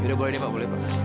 ya udah boleh nih pak boleh pak